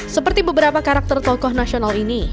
seperti beberapa karakter tokoh nasional ini